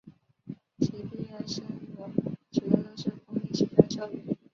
其毕业生有许多都是公立学校教员。